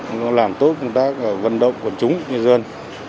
nó làm tốt công tác vận động của chúng người dân